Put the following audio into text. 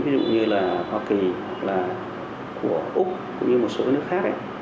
ví dụ như là hoa kỳ là của úc cũng như một số nước khác ấy